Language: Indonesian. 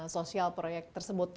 sosial proyek tersebut